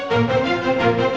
udah ngeri ngeri aja